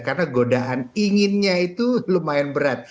karena godaan inginnya itu lumayan berat